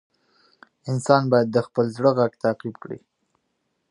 انسان باید د خپل زړه غږ تعقیب کړي.